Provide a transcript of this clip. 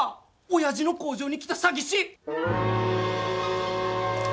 親父の工場に来た詐欺師。